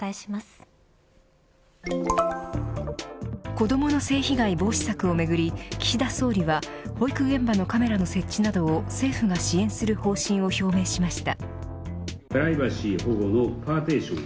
子どもの性被害防止策をめぐり岸田総理は保育現場のカメラの設置などを政府が支援する方針を表明しました。